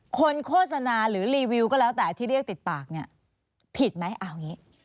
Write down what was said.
โฆษณาหรือรีวิวก็แล้วแต่ที่เรียกติดปากเนี่ยผิดไหมเอาอย่างนี้